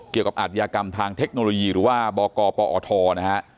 เกี่ยวกับอาธิกรรมทางเทคโนโลยีหรือว่าบกปอทนะฮะ